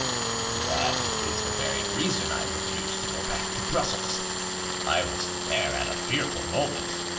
"That is the very reason I refused to go back to Brussels. I was there at a fearful moment.